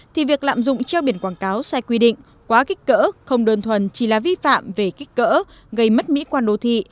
thì việc lạm dụng treo biển quảng cáo sai quy định quá kích cỡ không đơn thuần chỉ là vi phạm về kích cỡ gây mất mỹ quan đô thị